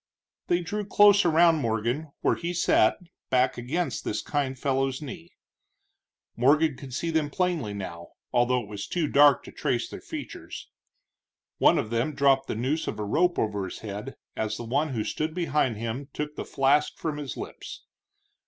They drew close around Morgan where he sat, back against this kind fellow's knee. Morgan could see them plainly now, although it was too dark to trace their features. One of them dropped the noose of a rope over his head as the one who stood behind him took the flask from his lips.